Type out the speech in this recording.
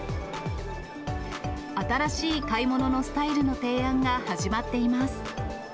新しい買い物のスタイルの提案が始まっています。